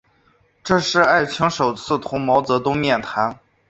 这是艾青首次同毛泽东面谈。